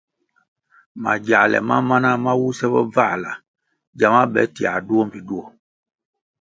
Magyāle ma mana ma wuse bobvāla gyama be tiā duo mbpi duo.